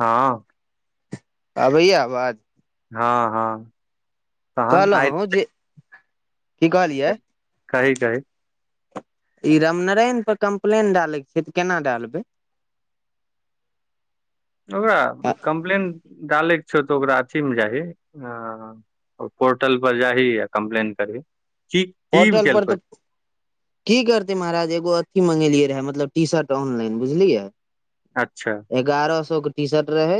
हँ आबैया आवाज? हँ हँ तहन आइ कहलहु जे की कहलियै? कही कही ई रामनारायण पर कंप्लेन डालैके छैियै तऽ केना डालबै [inaudible] ओकरा आ कंप्लेन डालैके छौ तऽ ओकरा अथीमे जााही आं पोर्टल पर जाही आ कंप्लेन करही की की प्रोर्टल पर केलको तऽ की करते महाराज एगो अथी मंगेलियै रहे मतलब टी शर्ट ऑनलाइन बुझलियै अच्छा एगारह सौ के टीशर्ट रहै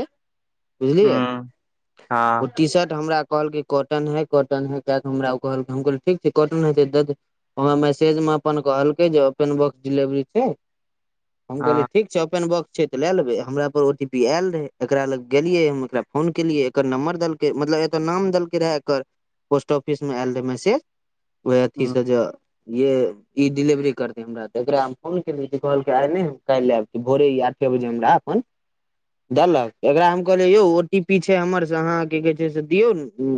बुझलियै हूँ ओ हँ टी शर्ट हमरा कहलकै कॉटन है कॉटन है केयक हमरा ओ कहल हम कहालीयै ठीक छै कटन हेत द हमरा मैसेज मे अपन कहलकै जे ओपेन बॉक्स डिलेवरी छै हम कहलियै हँ ठीक छै ओपेन बॉक्स छै तऽ लए लेबै हमरा पर ओ टी पी आयल रहै एकरा लग गेलियै हम एकरा फोन केलियै एकर नम्बर देलकै मतलब एतय नाम देलकै रहै एकर पोस्ट ऑफिसमे आयल रहै मैसेज वह अथी से ज हूँ ये ई डिलेवरी करते हमरा तऽ एकरा हम फोन केलियै जे कहलक आइ नहि कालि आब भोरे आठे बजे हमरा फोन देलक एकरा हम कहले यौ ओ टी पी छै हमर से अहाँ की कहे छै से दियौ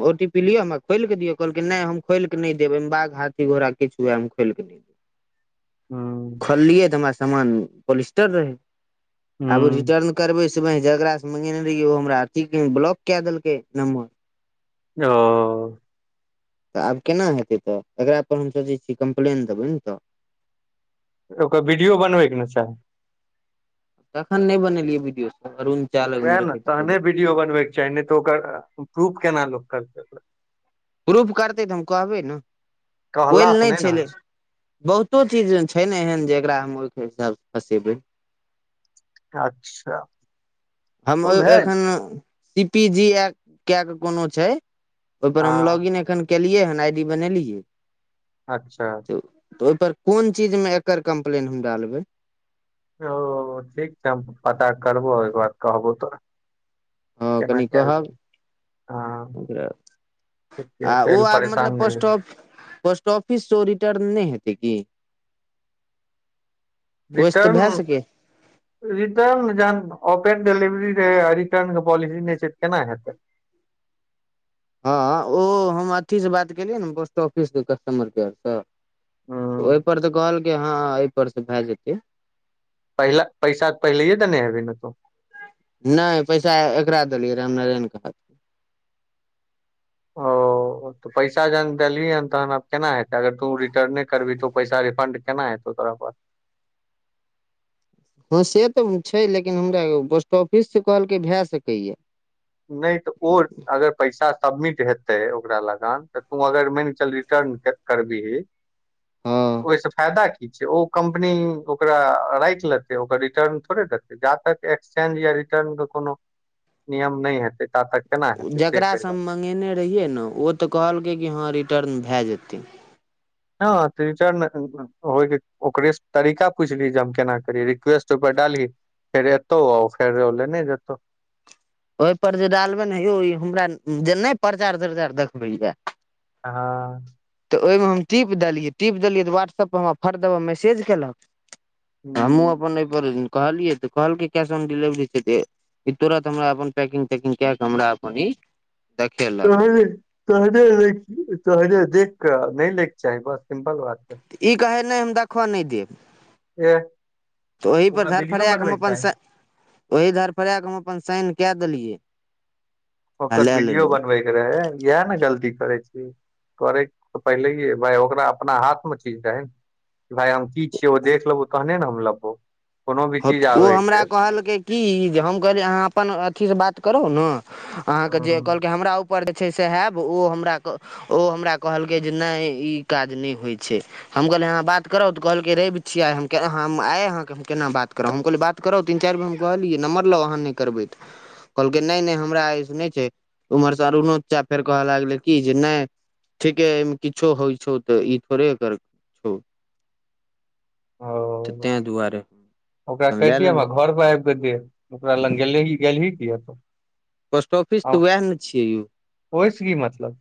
ओ टी पी पी लिय हम खोलकदिय कहलकै नहि हम खोलि नहि देब ऐ मे बाघ हाथी घोड़ा किछु हुए खोल के नहि देब खोललियै तऽ हमरा सामान पोलिस्टर रहै आब ओ हूँ रिटर्न करबै छै भाय जकरा स से मंगेने रहिय ओ हमरा अथी ब्लॉक क देलकै नम्बर ओ तऽ आब केना हेतै तऽ एकरापर हम सोचै छिय कम्प्लेन देबै ने तऽ ओकर वीडियो बनबैके ने चाही तखन नहि बनेलियै वीडियो सब अरुण चा लग मे वएह ने रहैत छलै तहने वीडियो बनबेके चाही नहि तऽ ओकर प्रूफ केना लोक करतै प्रूफ करतै तऽ हम कहबै ने ओहि लए कहलासँ नै नहि ने होइ छलै बहुतो चीज छै ने एहन जे जकरा हम ओहिके हिसाबसँ फँसेबै अच्छा हम ओ भेल एखन डी पी जी एप क के कोनो छै ओहिपर हम हँ लॉगइन एखन केलियै हन आई डी बनेलियै अच्छा। त ओहिपर कोन चीज मे एकर कम्प्लेन हम डालबै ओ ठीक छै हम पता करबो ओ बाद कहबो तोरा ह कनि कहब हँ ओ ठीके आ छै ओ आब परेशान मतलब नहि पोस्ट हेबै। ऑ पोस्ट ऑफिससँ ओ रिटर्न नहि हेते की ओहिसँ तऽ रिटर्न। भए सकै रिटर्न जहन ओपेन डिलिवरी रहै रिटर्न के पॉलिसी नहि छै तऽ केना हेते ह ओ हम अथी से बात केलियै ने पोस्ट ऑफिसके कस्टमर केयर से हूँ ओहिपर तऽ कहलक ह एहिपर तऽ भए जेतै पहिला पैसा तऽ पहिले देने हेबै ने तू नहि पैसा एकरा देलियै रामनारायण ओ तऽ पैसा जहन देलिये हन तहन आब केना हेतै अगर तू रिटर्ने करबही तऽ पैसा रिफण्ड केना हेतौ तोरा पर ह से तऽ छै लेकिन हमरा पोस्ट ऑफिस से कहलक भए सकैया नहि तऽ ओ अगर पैसा सभमिट हेतै ओकरा लगन त तू अगर मानिक चल रिटर्न करबही हँ ओहिसँ फायदा कि छै ओ कम्पनी ओकरा राखि लेतै ओकर रिटर्न थोड़े देतै जा तक एक्सचेज या रिटर्न के कोनो नियम नहि हेतै त तक केना हेतै से कहि रहल रहि ने ओ तऽ कहलकै कि हँ रिटर्न भए जेतै ह तऽ रिटर्न अखन क होके ओकरे तरीका पूछली जे हम केना करी रिक्वेस्ट ओहिपर डाल हि फेर एतौ आ फेर लेने जेते ओहि पर जे डालबे ने हे यै हमरा जे नहि प्रचार तचार देखबै या ह तऽ ओहिमे हम टिप देलियै टिप देलियै तऽ व्ह्तप्प हमरा फर दबह मैसेज केलक हमु अपन ईपर कहलियै तऽ कहलक कैश ऑन डिलेवरी छै तुरत हमरा अप पकिंग तकिंग कऽ हमरा देखल तो देख कऽ नहि लैके चाही ब सिम्पल बात ह त ई कहै नहि हम देखऽ नहि देब एह तऽ ओहीपर ओकरा वीडियो धरफड़ा क हम बनबैके अपन चाही स ओहि धर परा कऽ हम अपन साइन कऽ देलियै आ ओकर लए वीडियो लेलियै बनबै के रहे इएह ने गलती करै छीय। करय के पहिले ओकरा अपना हाथमे चीज दहइ कि भाय हम की छियै ओ देख लेबो तहने ने हम लेबो औ हमरा कहलकै की जे हम कहलियै अहाँ अपन अथी से बात करू नऽ अहाँके जे ओ कहलकै हमरा उपर जे छै सैहेब ओ हमरा ओ हमरा कहलकै जे नहि ई काज नहि होइ छै हम कहलै अहाँ बात करब तऽ कहलकै रबि छिय आय हम हम आए अहाँकेँ हम केना बात करब हम कहलियै बात करब तीन चारि बेर हम कहलियै नमबर लउ अहाँ नहि करबैऽ कहलकै नहि नहि हमरा एहि सँ नहि छै उम्हरसँ अरुणो चा फेर कहय लागलै कि जे नहि ठीके एहिमे किछो होइ छौ त ई थोड़े कर छौ [inaudible] तै दुआरे ओकरा अपन लए कहितियै लेली हमरा घर परर आबि कऽ देब ओकरा लग गेली गेलही कि त पोस्ट ऑफिस तऽ वएह नऽ छियै यौ ओहिस कि मतलब।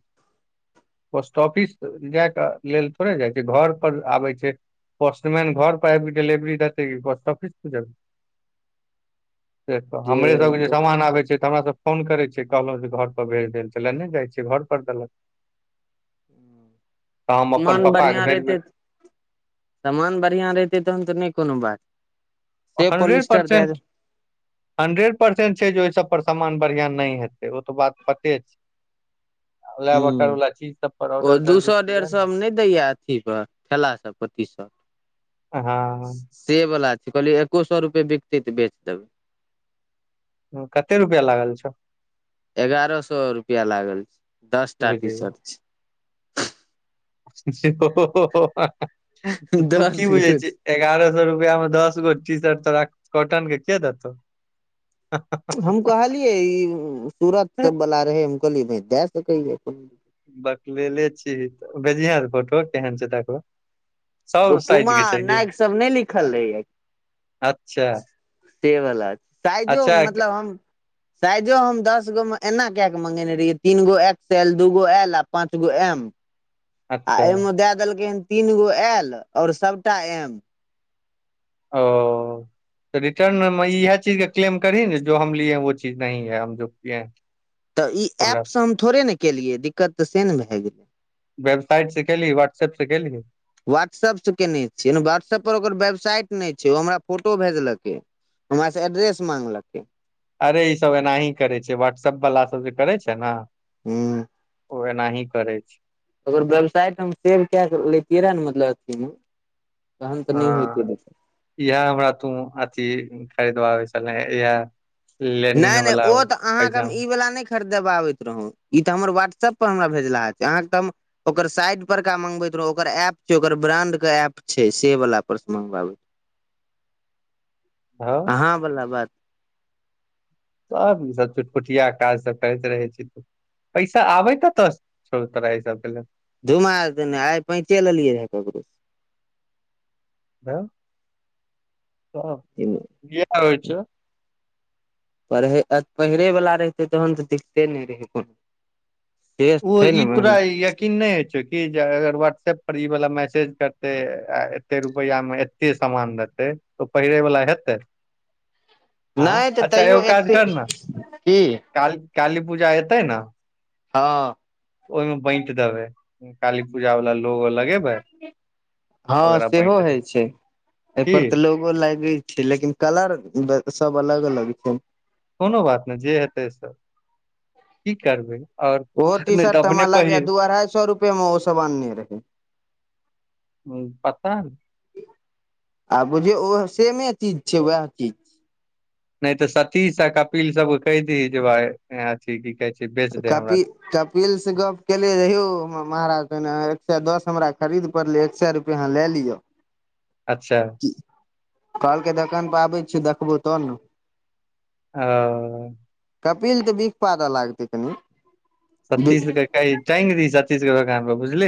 पोस्ट ऑफिस जायके लेल थोड़े जाइ छै घर पर आबै छै पोस्टमैन घर पर आब कऽ डेलिवरी देते कि पोस्ट ऑफिस पर जाकऽ देख जे हमरे सबके जे सामान आबै छै तऽ हमरा सब फोन करै छै कहलहु जे घर पर भेज देल छल ले नहि जाइ छियै घर पर देलक तऽ हम अपन मान पापा के बढ़ियां भेजबै रहितै सामान बढ़िआँ रहितै तहन तऽ नहि कोनो बात से हंड्रेड पॉलिस्टर दए दे परसेंट हंड्रेड परसेंट छै जे ओहि सब पर सामान बढ़िआं नहि हेतै ओ तऽ बात पते छै [inaudible] ह बकर वाला चीज सब पर ओ ऑर्डर दू करबी सए डेढ़ किया सए ने मे नहि दैया अथी पर खठेलासभ पर टी शट हँ से वला छै कहलियै एको सए रुपे बिकतै तऽ बेच देबै कते रुपआ लागल एगारह सए रुपआ लागल छै दस टा बुझैया टीशर्ट छै ओ छै तऽ तू दस की बुझै गो छी एगारह सए रुपआ मे दस गो टी शर्ट तोरा कॉटन के देतौ हम कहलियै ई सूरत सब वाला रहै हम कहलियै बहिं द देतै बकलेले छी त बेेजिह फोटो केहन छै तकरो ओ पुमा नायकसभ नहि लिखल रहैएा अच्छा से बला साइजो अच्छा मे मतलब हम साइजो हम दस गो मे एना क के मंगेने रहियै तीन गो एक्स एल दू गो एल आ पाँच गो एम [inaudible] आ एहिमे दए देलकै हन तीन गो एल आओर सभटा एम ओ तऽ रिटर्न इह चीज के क्लेम करी ने जो हम लियेै वो चीज हम जो कियेए [inaudible] तऽ ई ऐपसँ हम थोड़े ने केलियै दिक्कत तऽ से ने भए गेलै वेबसाइट से केली व्हाट्सऐप से केलही व्हाट्सएप केने छियै ने व्हा्सऐप पर ओकर वेबसाइट नहि छै ओ हमरा फोटो भेजलकै हमरासँ एड्रेस माँगलकै अरे ई सब एनाही करै छै व्हाट्सऐप वाला सब जे करै छै ने हूं ओ एनाही करै छै ओकर वेबसाइट हम सेव क के लेतियै रे ने मतलब अथी मे तहन तऽ नहि होइत हँ देख इएह हमरा तू अथी खरीदबाबै छलै इएह लेनिन नहि नहि वाला ओ तऽ अहाँके हम पैजाम ई वाला नहि खरीदबाबैत रहौ ई तऽ हमर व्हाट्सऐप पर हमरा भेजला ह अहाँके तऽ हम ओकर साइड परका मंगबैत रहौ ओकर एप्प छै ओकर ब्रांड के एप्प छै से वला पर मंगबाब अहो हँ बला बात त ई सब चुटकुटिया काज सब करैत रहै छी पैसा आबे कतऽ से छो तोरा इ सबलेल धुममा आइ पैंचे लेलियै रह ककरोसँ भ त [unintelligible] ज [unintelligible] इहे करै छ पढ़ै पहिरैवला रहितै तहन तऽ दिक्कते नहि रहै कोनो से ओ छै ई ने तोरा मेन। य नहि होइ छौ कि जे अगर वाट्सएप पर व मैसेज करतै आ एते रुपआ मे एते सामान देतै तऽ पहिरै वला हेतै हँ नहि तऽ अच्छा तैयो एगो काज एतेक कर ने की काल काली पूजा एतै ने हँ ओहिमे बाँंट देबे काली पूजा वाला लोग लगे हँ सेहो देबै होइ छै की एहिपर लो ग़ लागे छै लेकिन कलर सब अलग अलग छै कोनो बात नहि जे हेतै सब की करबै आओर ओहो टी नहि शर्ट तऽ हमरा अपने लागैय पहिर दू अढ़ाई सए रुपए मे ओ सब आनने रहय ह पता आ बुझियौ ओ सेमे चीज छै वएह चीज नहि तऽ सतीस आ कपिल सब के कहि दही जे भाय अथी की कहै छै बेच देै हमरा कपिल से गप केलिय रयौ हम महाराजने एक सए दस हमरा खरीद पड़लै एक सए रुप अहाँ ले लियौ अच्छा कहलकै दोकान पर आबै छी देखबौ तब ने ओ कपिल तऽ बिख पादऽ लागतै कनि सत्ततीश के कही टाइंग दही सतीश के दोकान पर बुझली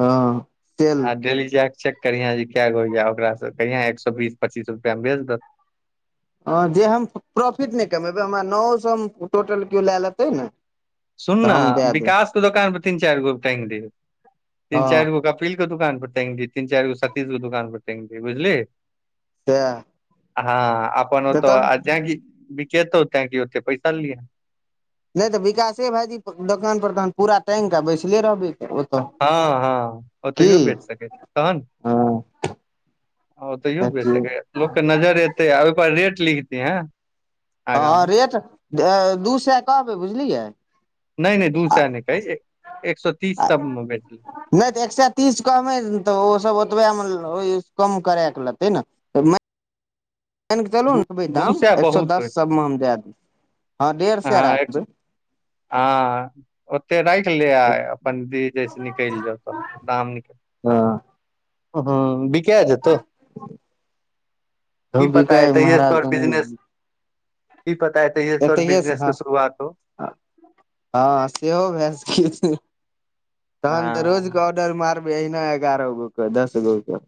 हँ सेल आ डेली जायके चेक करिहं जे क गो होय ओकास से कहं एक सए बीस पच्चीस रुपआ मिलतौ हँ जे हम प्रॉफिट नहि कमेबै, तऽ हमरा नओ सएमे टोटल केओ लए लेतै ने? तऽ हम सुननऽ, दए देब विकासक दोकान पर तीन चारि गो टग देब, तीन हँ चारि गो कपड़ा। कपिलक दोकान पर तेंगी, तीन चारि गो सतीशक दोकान पर तेंगी, बुझली? सह हँ, अपनन होएत। जँ बिकतौ, तऽ पैसा लिअ। नहि तऽ विकासे भायजीक दोकान पर तहन पूरा टाँगिकऽ बैसले रहबै। ओतऽ हँ हँ, की ओतै बेच सकैत छै, तहन कि? हँ ओ तऽ यो बेस देखियौ लोकक नजर एतै, ओहि पर रेट लिखती है। हँ, रेट दू सए कहबै, बुझलियै? नहि नहि, दू सए नहि कहै। एक सए तीस तऽ मे बेचली। नहि तऽ एक सए तीस कहबै, तऽ ओ सब ओतबेमे कम करैके लेतै नेऽ? आनिकऽ चलू ने। दू अबै दू दाम एक सए बहुत होइ दस, छै सभमे हम दए देब। हँ, डेढ़ सए राखबै। आ ओते राखि ले, आ अपनी जइसे निकलि जाउ, तऽ दाम निकल। हँ हँ, बिकिया जेतौ कि पता। बिकाय तहि महाराज तोर बिजनेस ई, पता। तहिये से ए तोहर तऽ हँऽ छै। बिजनेस के हँ, शुरुआत हो सेहो भए सकै। तहन तऽ रोज। हँ ऑर्डर मारब ही ने, एगारह गो के, दस गो के।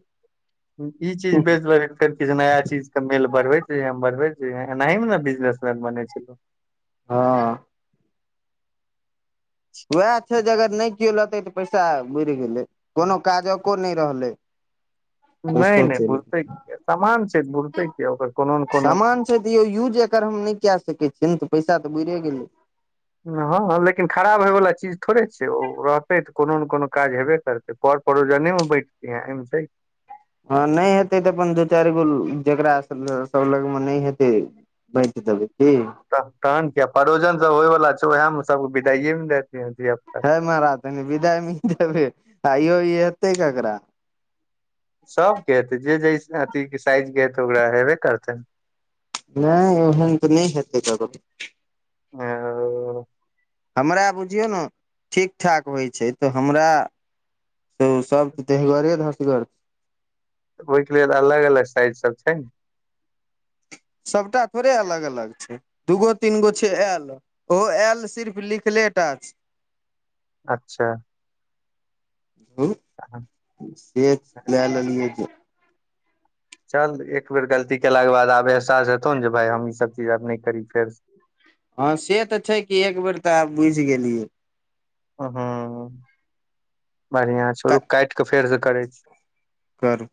ई चीज बेस कर, नया चीज। के मेल बढ़बे छै, बढ़बे छै। एनाहमे ने बिजनेसमैन बने छै। हँ इएह छै जे अगर नहि केओ लेतै, तऽ पैसा बुडि गेले, कोनो काजक नहि रहल। नहि नहि, बुरते समान छै। बुरते कि ओकर कोनो ने कोनो। तौ यूज एकर हम नहि कऽ सकै छियै ने, तऽ पैसा तऽ बुड़िए गेलै। हँ हँ, लेकिन खराब होइवला चीज थोड़े छै। ओ रहतै तऽ कोनो ने कोनो काज हेबे करतै। पर परोजनेमे बैठते हैंमे छै। हँ, नहि हेतै तऽ अपन दू चारि गो जकास सभ लगमे नहि हेतै। बैट देबै की? त तहन कि, परोजन सब होयवला छै, ओएहमे सभके बिदाइएमे देत धियापुता। हय महाराज, विदायमे देबे आ इहो हेतै ककरा? सबके हेतै, जे जे साइजक हेतै ओकरा हेबे करतै। नैय, ओहन तऽ नहि हेतै ककरो। ओ, हमरा बुझियौ ने, ठीक ठाक होइ छै तऽ हमरा। यौ, सभ देहगरे धसि गेल। ओहिके लेल अलग अलग साइज सभ छै। सबटा थोड़े अलग अलग छै, दू गो तीन गो छै। ओ आयल सिर्फ लिखले टा। अच्छा से लए लेलिय जे। चल, एक बेर गलती केलाक बाद आब एहसास हेतौ ने जे, भाय, हम ई सभ चीज आब नै करब फेर। हँ, से तऽ छै कि एक बेर तऽ आब बुझि गेलियै। बढ़ियाँ छौ, रूख काटि कऽ फेर सँ करै छी। कर